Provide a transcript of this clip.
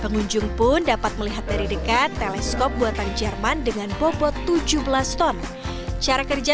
pengunjung pun dapat melihat dari dekat teleskop buatan jerman dengan bobot tujuh belas ton cara kerja